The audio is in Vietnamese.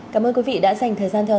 cảm ơn quý vị đã dành thời gian theo dõi